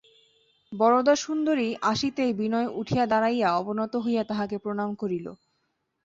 বরদাসুন্দরী আসিতেই বিনয় উঠিয়া দাঁড়াইয়া অবনত হইয়া তাঁহাকে প্রণাম করিল।